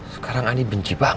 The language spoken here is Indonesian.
sekarang ani benci banget